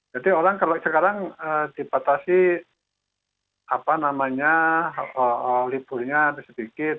jadi orang kalau sekarang dipatasi liburnya sedikit